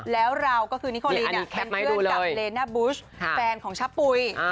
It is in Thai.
แล้วเราก็คือนิโคลีนเป็นเพื่อนกับเลน่าบุชแฟนของชะปุ๋ย